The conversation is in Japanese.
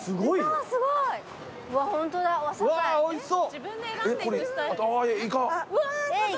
うわおいしそう。